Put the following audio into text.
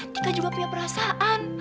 tika juga punya perasaan